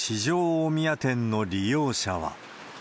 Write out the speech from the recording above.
大宮店の利用者は。